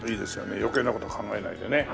余計な事考えないでね。